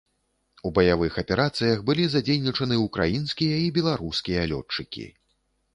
У баявых аперацыях былі задзейнічаны ўкраінскія і беларускія лётчыкі.